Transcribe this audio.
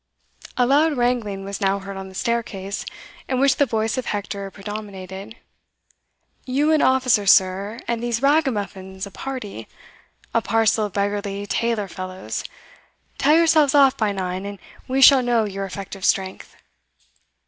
A loud wrangling was now heard on the staircase, in which the voice of Hector predominated. "You an officer, sir, and these ragamuffins a party! a parcel of beggarly tailor fellows tell yourselves off by nine, and we shall know your effective strength."